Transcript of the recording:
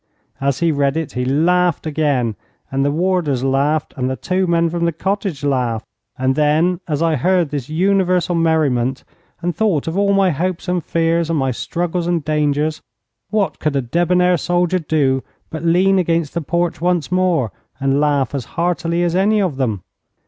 And as he read it, he laughed again, and the warders laughed, and the two men from the cottage laughed, and then, as I heard this universal merriment, and thought of all my hopes and fears, and my struggles and dangers, what could a debonair soldier do but lean against the porch once more, and laugh as heartily as any of them?